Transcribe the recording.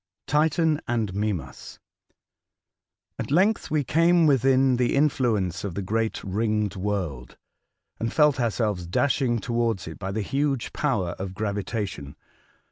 TITAX AND MIMAS. At length we came within the influence of the great Ringed World, and felt ourselves dashing towards it by the mighty power of gravitation.